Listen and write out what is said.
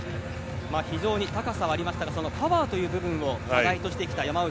非常に高さはありましたがパワーという部分を課題としてきた山内。